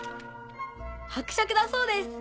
伯爵だそうです。